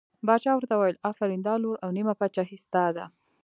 باچا ورته وویل آفرین دا لور او نیمه پاچهي ستا ده.